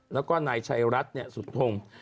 แล้วก็นายชายรัฐเนี่ยสุดทง